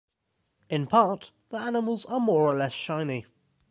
In part, the animals are more or less shiny.